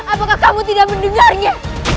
apakah kamu tidak mendengarnya